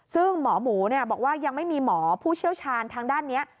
ซึ่งหมอหมูบอกว่ายังไม่มีหมอผู้เชี่ยวชาญทางด้านนี้